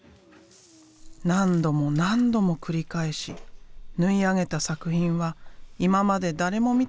何度も何度も繰り返し縫い上げた作品は今まで誰も見たことのないものだった。